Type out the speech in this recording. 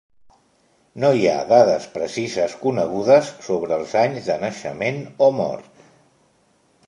No hi ha dades precises conegudes sobre els anys de naixement o mort.